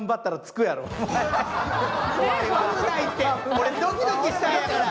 俺、ドキドキしたんやから。